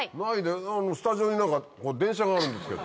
スタジオになんか電車があるんですけど。